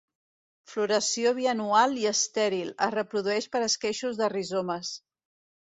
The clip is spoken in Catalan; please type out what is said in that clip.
Floració bianual i estèril, es reprodueix per esqueixos de rizomes.